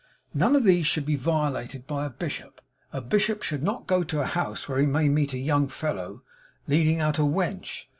None of these should be violated by a bishop. A bishop should not go to a house where he may meet a young fellow leading out a wench.'